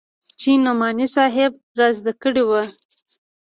چې نعماني صاحب رازده کړې وه.